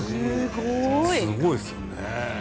すごいですよね。